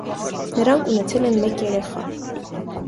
Նրանք ունեցել են մեկ երեխա։